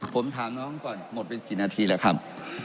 ผมถามน้องก่อนหมดไปกี่นาทีแล้วครับ